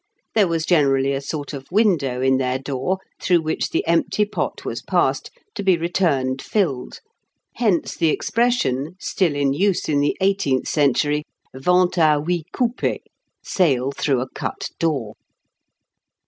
There was generally a sort of window in their door through which the empty pot was passed, to be returned filled: hence the expression, still in use in the eighteenth century, vente a huis coupé (sale through a cut door).